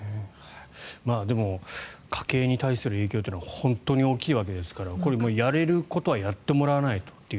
でも家計に対する影響は本当に大きいわけですからこれ、やれることはやってもらわないとという。